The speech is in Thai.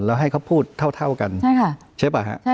แล้วให้เขาพูดเท่ากันใช่ป่ะฮะ